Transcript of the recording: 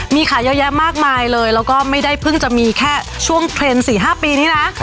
มีขายเยอะแยะมากมายเลยแล้วก็ไม่ได้เพิ่งจะมีแค่ช่วงเทรนด์๔๕ปีนี้นะ